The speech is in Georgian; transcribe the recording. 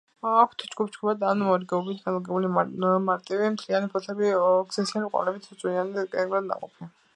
აქვთ ჯგუფ-ჯგუფად ან მორიგეობით განლაგებული მარტივი, მთლიანი ფოთლები, ორსქესიანი ყვავილები, წვნიანი კენკრა ნაყოფი.